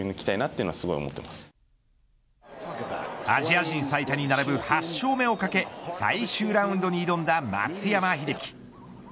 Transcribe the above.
アジア人最多に並ぶ８勝目を懸け最終ラウンドに挑んだ松山英樹。